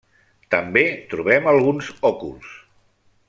També trobem alguns òculs.